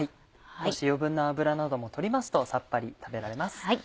少し余分な脂なども取りますとさっぱり食べられます。